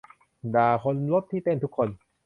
ด่าคนรถที่เต้นทุกคน